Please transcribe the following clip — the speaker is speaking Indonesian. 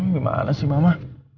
gimana sih mama